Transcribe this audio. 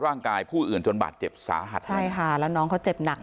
ผู้อื่นจนบาดเจ็บสาหัสใช่ค่ะแล้วน้องเขาเจ็บหนัก